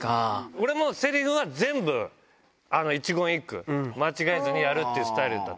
俺もせりふは全部一言一句間違えずにやるっていうスタイルだった。